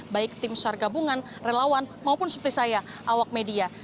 baik tim sar gabungan relawan maupun seperti saya awak media